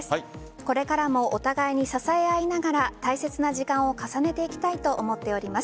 これからもお互いに支え合いながら大切な時間を重ねていきたいと思っております。